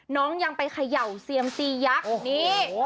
น้องยังไปเขย่าเซียมซียักษ์นี่